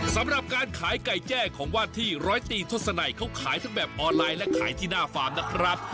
สำหรับการขายไก่แจ้ของวาดที่ร้อยตีทศนัยเขาขายทั้งแบบออนไลน์และขายที่หน้าฟาร์มนะครับ